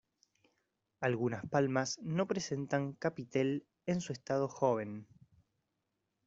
Algunas palmas no presentan capitel en su estado joven.